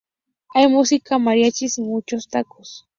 Hay música, mariachis y muchos tacos.